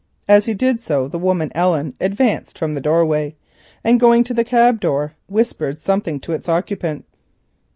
As he did so the woman Ellen advanced from the doorway, and going to the cab door whispered something to its occupant.